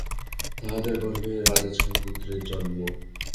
তাহাদের গর্ভে রাজার ছয় পুত্র জন্মে।